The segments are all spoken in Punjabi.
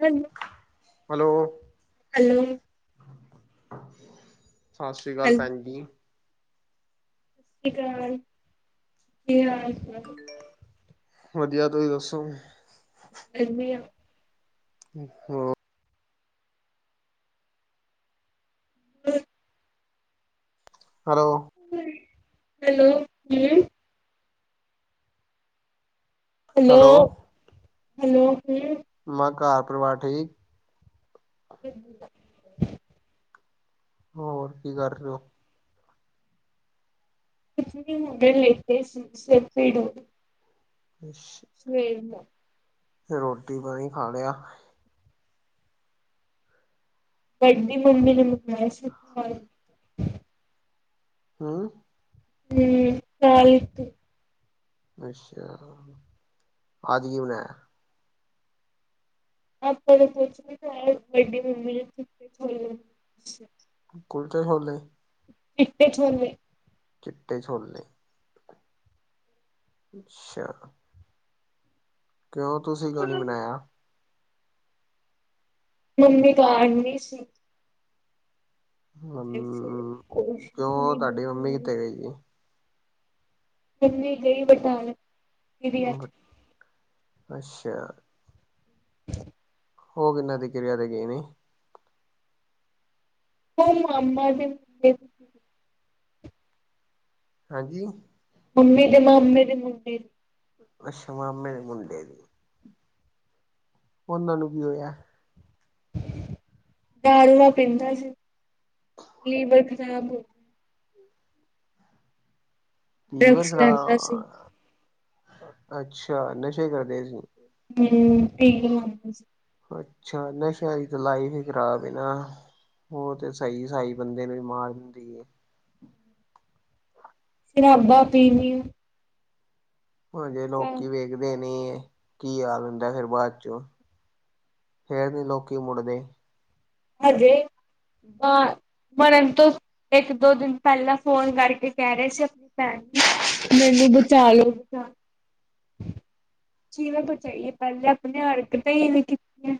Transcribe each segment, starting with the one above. ਹੈਲੋ। ਹੈਲੋ। ਹੈਲੋ। [inaudible] ਸਤਿ ਸ੍ਰੀ ਅਕਾਲ। ਹੈਲੋ ਭੈਨ ਜੀ। ਸਤਿ ਸ਼੍ਰੀ ਅਕਾਲ। ਕੀ ਹਾਲ -ਚਾਲ? ਵਧੀਆ ਤੁਸੀਂ ਦੱਸੋ? ਵਧੀਆ। ਹੂੰ। ਹੂੰ। ਹੈਲੋ। ਹੂੰ, ਹੈਲੋ ਹੂੰ। ਹੈਲੋ। ਹੈਲੋ ਹੂੰ। ਮੈਂ ਕਿਹਾ ਘਰ ਪਰਿਵਾਰ ਠੀਕ ਹੈ? ਵਧੀਆ। ਹੋਰ ਕੀ ਕਰ ਰਹੇ ਹੋ? ਕੁਛ ਨਹੀਂ ਹੁਣੇ ਤੇ ਬੈਠੇ ਸੀ ਸਿਰ ਪੀੜ ਹੋ ਗਈ। ਸਵੇਰ ਦਾ। ਰੋਟੀ ਪਾਣੀ ਖਾ ਲਿਆ? ਵੱਡੀ ਮੰਮੀ ਨੇ ਮੰਗਾਏ ਹਾਂ। ਹਮ [unintelligible] ਅੱਛਾ ਅੱਜ ਕੀ ਬਣਾਇਆ? ਆਪਾਂ ਨੇ ਕੁਛ ਨੀ ਬਣਾਇਆ, ਵੱਡੀ ਮੰਮੀ ਨੇ ਚਿੱਟੇ ਛੋਲੇ। ਕੁਲਚੇ ਛੋਲੇ? ਚਿੱਟੇ ਛੋਲੇ। ਚਿੱਟੇ ਛੋਲੇ। ਅੱਛਾ। ਕਿਉਂ ਤੁਸੀਂ ਕਿਉਂ ਨੀ ਬਣਾਇਆ? ਮੰਮੀ ਘਾਰ ਨੀ ਸੀ। ਹੂੰ, ਕੁਛ ਕਿਉਂ ਨੀ ਤੁਹਾਡੀ ਮੰਮੀ ਕਿੱਥੇ ਗਈ ਜੀ ਮੰਮੀ ਗਈ ਬਟਾਲੇ। [inaudible] [inaudible] ਉਹ ਕਿੰਨਾ ਦੀ ਕਿਰਿਆ ਦੇ ਗਈ ਨੀ? ਉਹ ਮਾਮਾ ਜੀ ਦੇ- ਹਾਂਜੀ? ਮੰਮੀ ਦੇ ਮਾਮੇ ਦੇ ਮੁੰਡੇ ਦੀ। ਅੱਛਾ ਮਾਮੇ ਦੇ ਮੁੰਡੇ ਦੀ। ਉਹਨਾਂ ਨੂੰ ਕੀ ਹੋਇਆ? ਦਾਰੂਵਾਂ ਪੀਂਦਾ ਸੀ, ਲੀਵਰ ਖ਼ਰਾਬ ਹੋ- ਲੀਵਰ ਡਰੱਗਸ ਲੈਂਦਾ ਸੀ ਖਰਾਬ- ਅੱਛਾ ਨਸ਼ੇ ਕਰਦੇ ਸੀ। ਹਮ ਟੀਕੇ ਲਾਉਂਦਾ ਸੀ। ਅੱਛਾ ਨਸ਼ਿਆਂ ਦੀ ਤਾਂ ਲਾਈਵ ਹੀ ਖਰਾਬ ਹੈ ਨਾ, ਉਹ ਤੇ ਸਹੀ ਸਹੀ ਬੰਦੇ ਨੂੰ ਵੀ ਮਾਰ ਦਿੰਦੀ ਏ। ਸ਼ਰਾਬਾਂ ਪੀਵੀ ਆ- ਉਹ ਜੇ ਲੋਕੀ ਵੇਖਦੇ ਨੇ। ਕੀ ਹਾਲ ਹੁੰਦਾ ਫਿਰ ਬਾਅਦ ਚੋਂ, ਫੇਰ ਨੀ ਲੋਕੀ ਮੁੜਦੇ। ਹਜੇ ਮ ਮਰਨ ਤੋਂ ਇੱਕ ਦੋ ਦਿਨ ਪਹਿਲਾਂ ਫੋਨ ਕਰਕੇ ਕਹਿ ਰਹੇ ਸੀ ਆਪਣੀ ਭੈਣ ਮੈਨੂੰ ਬਚਾਾਲੋ ਬਚਾ ਜਵੇਂ ਬਚਾਈਏ ਪਹਿਲੇ ਆਪਣੇ ਹਰਕਤਾਂ ਹੀ ਐਵੇਂ ਕੀਤੀਆਂ।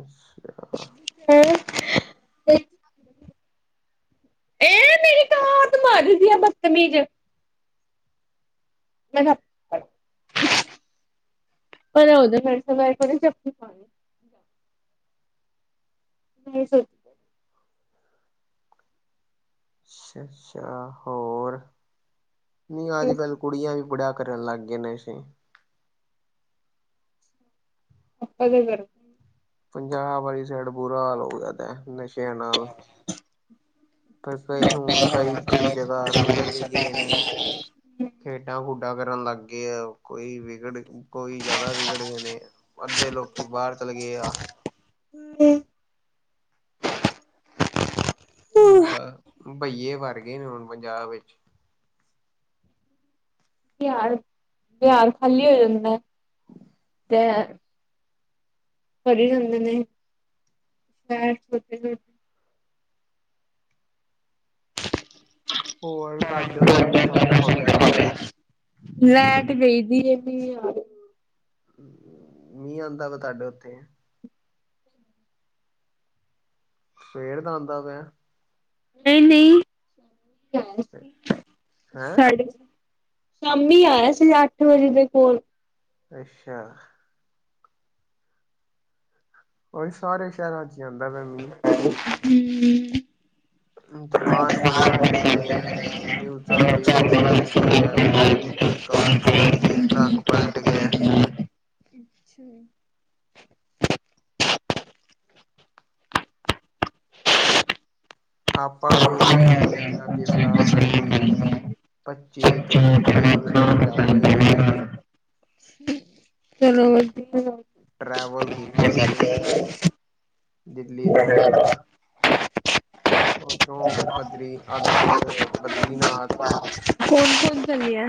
ਅਛ ਅ ਇਹ ਮੇਰੀ ਕਹਾਤ ਮਰਦੀ ਆ ਬਦਤਮੀਜ- ਮੈਂਨੂੰ ਅਪਣੇ ਪਰੇ ਹੋ ਜਾ ਫ਼ਿਰ ਸੇ ਮੈਂ ਇੱਕ ਵਾਰ ਜੱਫ਼ੀ ਪਾਣੀ। ਨਹੀਂ ਸੋਚ ਅੱਛਾ ਅੱਛਾ ਹੋਰ? ਨੀ ਅੱਜ ਕੱਲ ਕੁੜੀਆਂ ਵੀ ਬੜਾ ਕਰਨ ਲੱਗ ਗੀਆਂ ਨਸ਼ੇ। ਆਪਾਂ ਤੇ ਕਰ- ਪੰਜਾਬ ਵਾਲੀ ਸਾਈਡ ਬੁਰਾ ਹਾਲ ਹੋ ਗਿਆ ਐ ਨਸ਼ੇ ਸ਼ਿਆ ਨਾਲ। ਪਰ ਕਈ ਹੁਣ ਕਈ ਜਗ੍ਹਾ ਸੁਧਰ ਵੀ ਗਏ ਨੇ, ਖੇਡਾਂ ਖੂਡਾ ਡਾ ਕਰਨ ਲੱਗ ਗਏ ਆ ਕੋਈ ਵਿਗੜ ਕੋਈ ਜ਼ਿਆਦਾ ਵਿਗੜ ਗਏ ਨੇ ਅੱਧੇ ਲੋਕੀ ਬਾਹਰ ਚਲੇ ਗਏ ਆ ਹਾ ਪਰ ਬਹੀਏ ਵਰ ਗਏ ਨੇ ਹੁਣ ਪੰਜਾਬ ਵਿੱਚ ਬੀਹ ਬੀਹਾਰ ਖਾਲੀ ਹੋ ਜਾਂਦਾ ਤੇ ਭਰੀ ਜਾਂਦੇ ਨੇ, ਸ਼ੈਰ ਛੋਟੇ ਛੋਟੇ ਹੋਰ ਤੁਹਾਡੇ ਉੱਥੇ ਮੌਸਮ ਕਿਹੋ ਜਿਹਾ ਵਿਰੇਂ ਮਿਹ ਆ ਰਿਹਾ ਮੀਂ ਆਉਂਦਾ ਵਾ ਤੁਹਾਡੇ ਉੱਥੇ ਸਵੇਰ ਤਾਂ ਆਉਂਦਾ ਪਿਆ ਨਹੀਂ ਨਹੀਂ ਹੈਂ ਸਾਡੇ ਸ਼ਾਮੀ ਆਇਆ ਸੀ ਅੱਠ ਵਜੇ ਦੇ ਕੋਲ ਅੱਛਾ ਹੋਹੀ ਸਾਰੇ ਸ਼ਹਿਰਾਂ ਆਦਾ ਪਿਯਾ ਮੀਹ ਹਮ ਹਾਂ ਤੂਫਾਨ ਬੜੇ ਆਉਂਦੇ ਵੀ ਨੇ ਨਿਊ ਤਾਂ ਆਂ ਵੀ ਐਕਸੀਡੈਂਟ ਹੋਇ ਆਥੇ ਕੋਈ ਕਾਰ ਪਲਟ ਗਈ ਟਰੱਕ ਪਲਟ ਗਿਆ ਹਮ ਆਪਾਂ ਵੀ ਹੁਣ ਆਪਣੇ ਹੇਮਕੂਟ ਸਾਹਿਬ ਦੀ ਸਲਾਹ ਆਪਣੇ ਸਰੀਰ ਬਣਾਈਏ ਦੀ ਪੱਚੀ ਸੱਚੀ ਤੋਂ ਕਰਨਾ ਤੀਹ ਨੂੰ ਸ਼ਾਇਦ ਜਾਵਾਂਗੇ ਹ ਟਰੈਵਲ ਕੀਤੀ ਹੈ [unintelligible] ਉਧਰੋਂ ਬਦਰੀ ਅੱਧ ਬਦਰੀਨਾਥ ਕੌਣ ਚੱਲਿਆ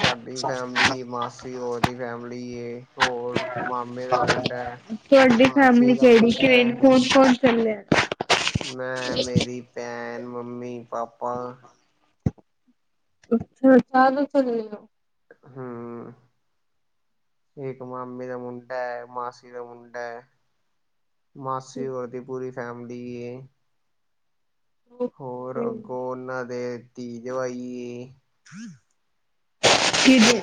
ਸਾਡੀ ਫੈਮਿਲੀ ਮਾਸੀ ਹੋਰ ਦੀ ਫੈਮਿਲੀ ਹੋਰ ਮਾਮੇ ਦਾ ਮੁੰਡਾ ਹੈ ਮਾਸੀ ਨਈ ਦਾ ਚਾਇਦੀ ਮੁੰਡਾ ਕਿਵੇ ਹੈ ਕੋਨ ਕੋਨ ਚੱਲੇ ਐ ਮੈਂ ਮੇਰੀ ਭੈਣ ਮੰਮੀ ਪਾਪਾ ਅੱਛਾ ਚਾਲੋ ਚਲੇ ਜਾਓ ਹੂੰ ਇੱਕ ਮਾਮੇ ਦਾ ਮੁੰਡਾ ਐ, ਮਾਸੀ ਦਾ ਮੁੰਡਾ ਐ ਮਾਸੀ ਹੋਰ ਦੀ ਪੂਰੀ ਫੈਮਲੀ ਐ ਹੋਰ ਓਕੇ ਅੱਗੋਂ ਉਹਨਾਂ ਦੇ ਧੀ, ਜਵਾਈ ਐ ਕਿਦੇ,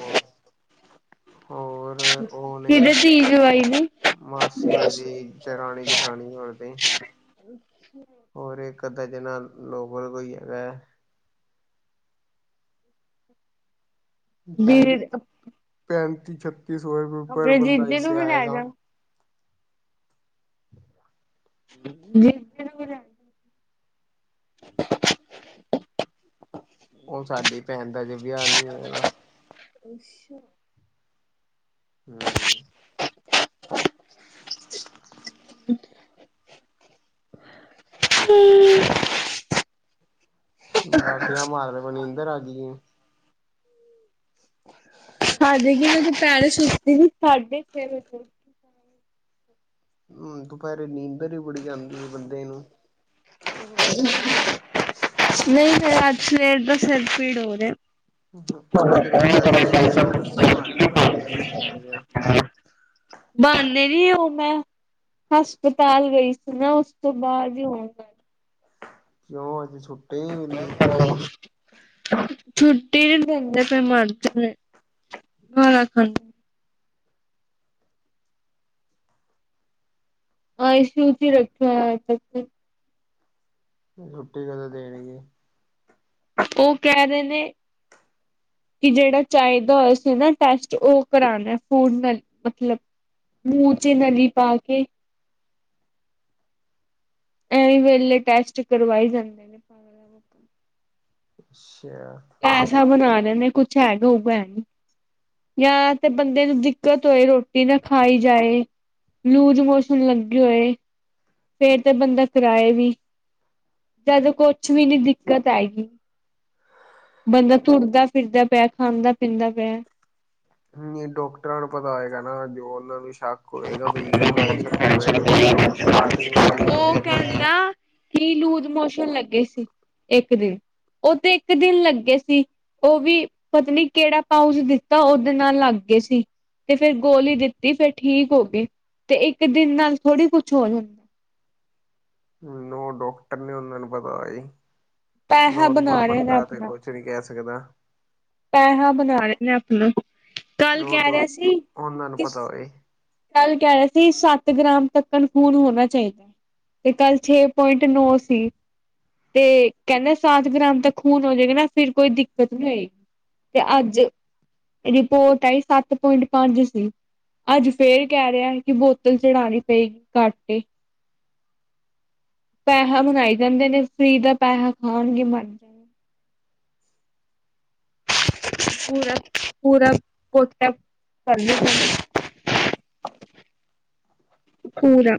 ਹੋਰ ਉਹ ਨੇ ਕਿਦੇ ਧੀ ਜ਼ਵਾਈ ਨੇ ਹੂੰ ਮਾਸੀ ਦੀ ਦਰਾਣੀ ਜਠਾਣੀ ਹੋਰ ਦੇ ਹੋਰ ਇੱਕ ਏਹਦੇ ਜਨਾ ਲੋਕਲ ਕੋਈ ਹੈਗਾ। ਪੈਂਟ, ਦੀ ਪੈਂਟ ਤੀਸ਼ਤ ਕੀ ਸੋ [unintelligible] ਆਪਣੇ ਬੰਦਾ ਜੀਜੇ ਨੂੰ ਹਿਸੇ ਵੀ ਲੈ ਆਏਗਾ ਜਾ ਜੀਜੇ ਨੂੰ ਵੀ ਲੇ ਜਾਣ [inaudible] ਉਹ ਸਾਡੀ ਭੈਣ ਦਾ ਅਜੇ ਵੀਆਹ ਨਈ ਹੋਇਆ ਨਾ ਅੱਛਾ ਹੂੰ ਹੂੰ ਵਾਸੀਆ ਮਾਰਦੇ ਪਏ ਨਿੰਦਰ ਆ ਗਈ ਐ ਹਾਂਜੀ ਕੀ ਮੈਂ ਦੁਪਹਿਰੇ ਸੁਤੀ ਸੀ ਸਾਢੇ ਛੇ ਵਜੇ ਹਮ ਦੁਪਹਿਰੇ ਨੀਂਦਰ ਈ ਬੜੀ ਆਂਦੀ ਐ ਬੰਦੇ ਨੂੰ ਨਈ ਮੈ ਅੱਜ ਸਵੇਰ ਦਾ ਸਿਰ ਪੀੜ ਹੋ ਰਿਹਾ ਉਹ ਅੱਜ ਕੱਲ ਵੈਸੇ ਲੋਕੀ ਨਾ ਬਾਨੇ ਬੜੇ ਮਾਰਨ ਲਗ ਪਏ ਆ ਬਾਨੇ ਨੀ ਉਹ ਮੈਂ ਹਸਪਤਾਲ ਗਈ ਸੀ ਨਾ ਉਸ ਤੋਂ ਬਾਅਦ ਈ ਹੁਣ ਆਈ ਕਿਓ ਛੁੱਟੀ ਨੀ ਮਿਲੀ ਛੁੱਟੀ ਨੀ ਦਿੰਦੇ ਪਏ ਮਰਜਾਨੇ ਗਾਲਾ ਖਾਂਦੇ ਆਈ ਸੀ ਯੂ ਚ ਰੱਖਿਯਾ ਅਜੇ ਤੇ ਛੁੱਟੀ ਕਦੋਂ ਦੇਣਗੇ ਉਹ ਕਹਿ ਰਹੇ ਨੇ ਕਿ ਜਿਹੜਾ ਚਾਯੇ ਦਾ ਹੋਆ ਸੀ ਨਾ ਟੈਸਟ ਉਹ ਕਰਾਉਣਾ ਫੂਡ ਨ ਮਤਲਬ ਮੂੰਹ ਚ ਨਲੀ ਪਾ ਕੇ ਐ ਵੀ ਵੇਲੇ ਟੈਸਟ ਕਰਵਾਈ ਜਾਂਦੇ ਨੇ ਅਛਾ [inaudible] ਪੈਸਾ ਬਣਾ ਰਹੇ ਨੇ [unintelligible] ਨੇ ਕੁੱਛ ਹੈਗਾ ਹੋਊਗਾ ਹੈ ਨੀ [unintelligible] ਜਾਂ ਤੇ ਬੰਦੇ ਨੂੰ ਦਿੱਕਤ ਹੋਏ ਰੋਟੀ ਨਾ ਖਾਈ ਜਾਏ ਲੂਜ਼ ਮੌੋਸਨ ਲੱਗੇ ਹੋਏ। ਫੇਰ ਤਾਂ ਬੰਦਾ ਕਰਾਏ ਵੀ, ਜਦੋਂ ਕੁਛ ਵੀ ਨੀ ਦਿੱਕਤ ਆਏਗੀ ਬੰਦਾ ਤੁਰਦਾ-ਫਿਰਦਾ ਪਿਆ, ਖਾਂਦਾ-ਪੀਂਦਾ ਪਿਆ। ਨਹੀਂ ਡਾਕਟਰਾਂ ਨੂੰ ਪਤਾ ਆਏਗਾ ਨਾ ਜੋ ਉਹਨਾ ਨੂੰ ਸ਼ੱਕ [unintelligible] ਹੋਏਗਾ ਬਈ ਹੋ ਸਕਦਾ ਐਵੇਂ ਕੁਛ ਜਾਂ ਕੁਛ ਸਟਾਰਟਿੰਗ ਹੁੰਦੀ ਵੀ ਉਹ ਹੋਏ ਕਹਿੰਦਾ ਕੀ ਲੂਜ ਮੋਸ਼ਨ ਲੱਗੇ ਸੀ। ਇੱਕ ਦਿਨ ਉਹ ਤੇ ਇੱਕ ਦਿਨ ਲੱਗੇ ਸੀ ਉਹ ਵੀ ਪਤਾ ਨੀ ਕਿਹੜਾ ਪਾਊਚ ਦਿੱਤਾ ਉਹਦੇ ਨਾਲ ਲੱਗ ਗਏ ਸੀ ਤੇ ਫੇਰ ਗੋਲੀ ਦਿੱਤੀ ਫਿਰ ਠੀਕ ਹੋ ਗਏ ਤੇ ਇੱਕ ਦਿਨ ਨਾਲ ਥੋੜ੍ਹੀ ਕੁਛ ਹੋ ਜਾਂਦਾ ਉਹ ਡੋਕਟਰ ਨੇ ਉਨਾ ਨੂੰ ਪਤਾ ਏ ਪੈਸਾ ਨੋਰਮਲ ਬਣਾ ਰਹੇ ਨੇ ਬੰਦਾ ਤੇ ਆਪਣਾ ਕੁਛ ਨੀ ਕਹਿ ਸ ਏਅਵਾਂ ਪੈਸਾ ਬਣਾ ਰਹੇ ਨੇ ਆਪਣਾ ਕੱਲ ਉਹ ਕਹਿ ਤਾਂ ਰਿਹਾ ਸੀ ਉਹਨਾਂ ਨੂੰ ਪਤਾ ਹੋਏ ਕੱਲ ਕਹਿ ਰਿਹਾ ਸੀ ਸੱਤ ਗ੍ਰਾਮ ਤੱਕ ਖੂਨ ਹੋਣਾ ਚਾਹੀਦਾ ਤੇ ਕੱਲ ਛੇ ਪੁਆਇੰਟ ਨੌ ਸੀ ਤੇ ਕਹਿੰਦੇ ਸਾਤ ਗ੍ਰਾਮ ਤਕ ਖੂਨ ਹੋ ਜਾਏਗਾ ਨਾ ਫਿਰ ਕੋਈ ਦਿੱਕਤ ਨੀ ਆਏਗੀ ਤੇ ਅੱਜ ਰਿਪੋਰਟ ਆਈ ਸੱਤ ਪੁਆਇੰਟ ਪੰਜ ਸੀ ਅੱਜ ਫੇਰ ਕਹਿ ਰਿਹਾ ਕਿ ਬੋਤਲ ਚੜ੍ਹਉਣੀ ਪਏਗੀ ਘਟ ਏ। ਪੈਸਾ ਬਣਾਈ ਜਾਂਦੇ ਨੇ ਫਰੀ ਦਾ ਪੈਸਾ ਖਾਣਗੇ ਮਰ ਜਾਣਾ ਪੂਰਕ- ਪੂਰਕ ਕੋਟਿਆ ਕਰਨ [unintelligible] ਪੂਰਾ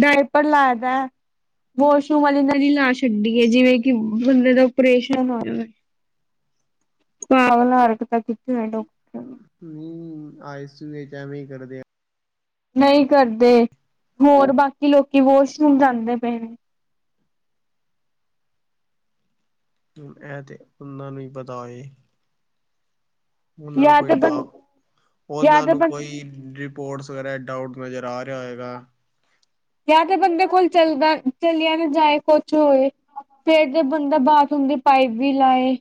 ਡਾਇਪਰ ਲਾਯਾ ਦਾ ਵਾਸ਼ਰੂਮ ਵਾਲੀ ਨਲੀ ਲਾ ਛੱਡੀ ਹੈ ਜਿਵੇਂ ਕਿ ਬੰਦੇ ਦਾ ਓਪਰੇਸ਼ਨ ਹੋਯਾ ਹੋਵੇ ਆ ਹਰਕਤਾਂ ਕਰਦੇ ਨੇ ਡਾਕਟਰ- ਨਹੀਂ ਆਈ ਸੀ ਯੁ ਐਵੇਂ ਹੀ ਕਰਦੇ ਆ ਨਹੀਂ ਕਰਦੇ ਹੋਰ ਬਾਕੀ ਲੋਕੀ ਵਾਸ਼ਰੂਮ ਜਾਂਦੇ ਪਏ ਨੇ ਇਹ ਤੇ ਉਹਨਾਂ ਨੂੰ ਹੀ ਪਤਾ ਏ ਉਹਨਾਂ ਨੂੰ ਜਾਂ ਕੋਈ ਤੇ ਡ ਬੰ ਜਾਂ ਉਹਨਾਂ ਤੇ ਨੂੰ ਬੰਦੇ ਕੋਈ ਸਪੋਰਟਸ ਵਗੈਰਾ ਡਾਊਟ ਨਜ਼ਰ ਆ ਰਿਹਾ ਹੋਇਗਾ ਜਾਂ ਤੇ ਬੰਦੇ ਕੋਲ ਚੱਲਦਾ ਚਲੀਆਂ ਨਾ ਜਾਏ ਕੁਛ ਹੋਏ ਫੇਰ ਜ ਬੰਦਾ ਬਾਥਰੂਮ ਦੀ ਪਾਈਪ ਵੀ ਲਾਏ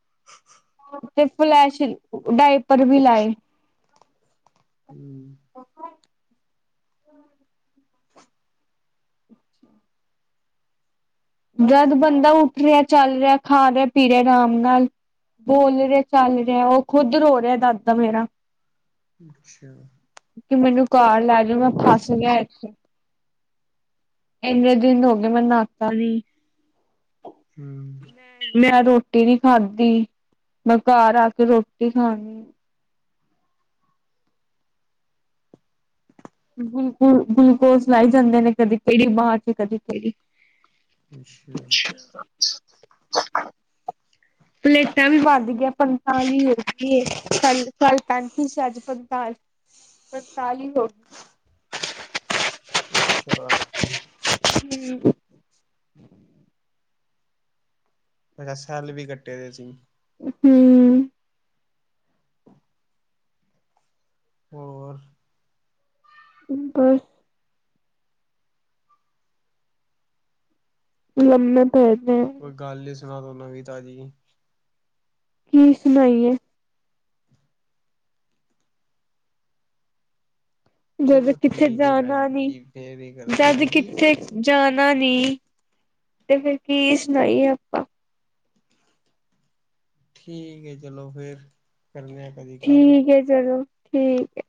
[inaudible] ਤੇ ਫਲੈਸ਼ ਡਾਈਪ ਪਰ ਵੀ ਲਾਏ ਹਮ [inaudible] ਜਦ ਬੰਦਾ ਉੱਠ ਰਿਹਾ, ਚੱਲ ਰਿਹਾ, ਖਾ ਰਿਹਾ, ਪੀ ਰਿਹਾ ਆਰਾਮ ਨਾਲ ਬੋਲ ਰਿਹਾ, ਚੱਲ ਰਿਹਾ ਉਹ ਖੁੱਦ ਰੋ ਰਿਹਾ ਦਾਦਾ ਮੇਰਾ ਅੱਛਾ ਕਿ ਮੈਨੂੰ ਘਰ ਲੈ ਚਲੋ ਮੈਂ ਫਸ ਗਿਆ ਇਥੇ ਇੰਨੇ ਦਿਨ ਹੋ ਗਏ ਮੈ ਨਾਤਾ ਨੀ ਹਮ ਹੂੰ ਮੈਂ ਰੋਟੀ ਨੀ ਖਾਧੀ ਮੈਂ ਘਰ ਆ ਕੇ ਰੋਟੀ ਖਾਣੀ ਬਿਲਕੁਲ ਗਲੂਕੋਸ ਲਏ ਜਾਂਦੇ ਨੇ ਕਦੀ ਕਿਹੜੀ ਬਾਂਹ 'ਚ ਕਦੀ ਕਿਹੜੀ ਅੱਛਾ ਪਲੇਟਾਂ ਵੀ ਵੱਧ ਗਿਆ ਪੰਤਾਲੀ ਹੋ ਗਈਏ ਕੱਲ ਸਾਲ ਪੈਂਤੀ ਸ ਅੱਜ ਪੰਤਾਲੀ ਪੰਤਾਲੀ ਹੋ ਗਈ ਅੱਛਾ ਹਮ ਅੱਛਾ [unintelligible] ਸੈੱਲ ਵੀ ਘੱਟੇ ਦੇ ਸੀ ਹਮ ਹੋਰ ਮ ਬਸ ਲ ਮੈਂ [unintelligible] ਕੋਈ ਗੱਲ [unintelligible] ਨੀਸੀ ਦੋ [unintelligible] ਨਵੀਂ ਤਾਜ਼ੀ ਕੀ ਸੁਣਾਈਏ ਜਦ ਚਲੋ ਕਿਤੇ ਠੀਕ ਹੈ ਭੈਣ ਜਾਣਾ ਨੀ ਜੀ ਫੇਰ ਹੀ ਕਰ ਜਦ ਹਾਂਜੀ ਕਿੱਥੇ ਜਾਣਾ ਨੀ ਤੇ ਫਿਰ ਕੀ ਸੁਣਾਈਏ ਆਪਾਂ। ਠੀਕ ਹੈ ਚਲੋ ਫੇਰ। ਕਰਨੇ ਆ ਕਦੀ ਗੱਲ ਠੀਕ ਹੈ ਚਲੋ। ਠੀਕ ਹੈ।